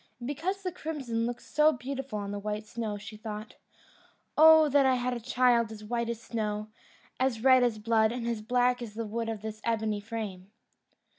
And because the crimson looked so beautiful on the white snow, she thought, "Oh that I had a child as white as snow, as red as blood, and as black as the wood of this ebony frame!"